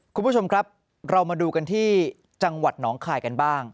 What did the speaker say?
คุณผู้ชมครับเรามาดูกันที่จังหวัดหนองคายกันบ้าง